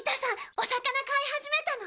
お魚飼い始めたの？